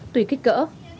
tùy kích cỡ